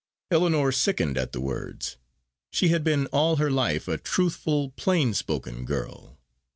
Ellinor sickened at the words. She had been all her life a truthful plain spoken girl.